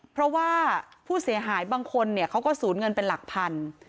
เพราะว่าผู้เสียหายบางคนเขาก็สูญเงินเป็นหลักพัน